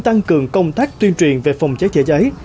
tăng cường công tác tuyên truyền về phòng cháy trái trái